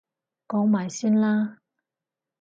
講埋先啦！